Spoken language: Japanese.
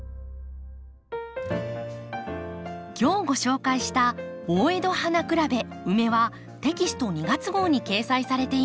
今日ご紹介した「大江戸花競べウメ」はテキスト２月号に掲載されています。